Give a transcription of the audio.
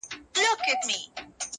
دا سر به د منصور غوندي و دار ته ور وړم~